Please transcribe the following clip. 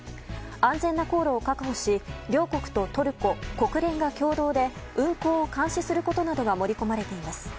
安全な航路を確保し両国とトルコ国連が共同で運航を監視することなどが盛り込まれています。